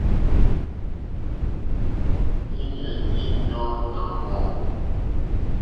Íɲá í yɔ̀ɔ́ nà mɔ̂.